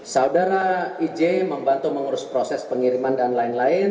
saudara ij membantu mengurus proses pengiriman dan lain lain